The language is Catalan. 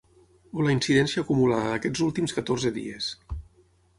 O la incidència acumulada d’aquests últims catorze dies.